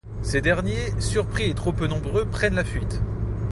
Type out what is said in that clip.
Ces derniers, surpris et trop peu nombreux prennent la fuite.